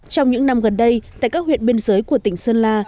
trong những năm gần đây tại các huyện biên giới của tỉnh sơn la